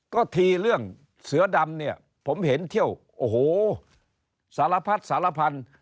ก็ทีเรื่องเสือดำเนี่ยผมเห็นเที่ยวโอ้โหสารพัดสารพันธุ์